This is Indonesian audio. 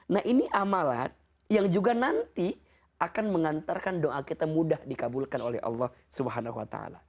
nah ini amalan yang juga nanti akan mengantarkan doa kita mudah dikabulkan oleh allah swt